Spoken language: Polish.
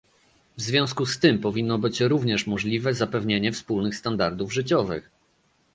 W związku z tym powinno być również możliwe zapewnienie wspólnych standardów życiowych